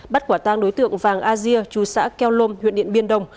bắt quả tăng đối tượng vàng asia chú xã keo lom huyện điện biên đông